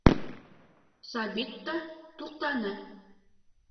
Сабит та туҡтаны.